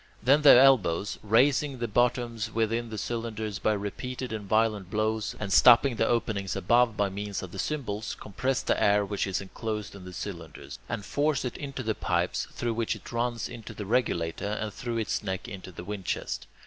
Then the elbows, raising the bottoms within the cylinders by repeated and violent blows, and stopping the openings above by means of the cymbals, compress the air which is enclosed in the cylinders, and force it into the pipes, through which it runs into the regulator, and through its neck into the windchest.